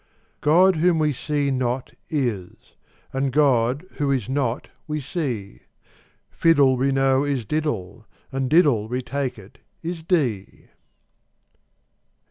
God, whom we see not, is: and God, who is not, we see: Fiddle, we know, is diddle: and diddle, we take it, is dee.